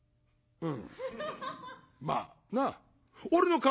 うん？